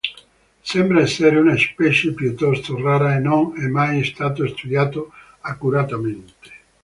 Sembra essere una specie piuttosto rara e non è mai stato studiato accuratamente.